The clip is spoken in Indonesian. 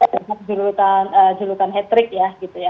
terhadap julutan hetrik ya gitu ya